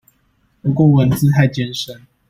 不過文字太艱深